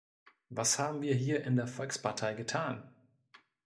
Was haben wir hier in der Volkspartei getan?